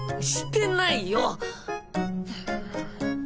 してないよ！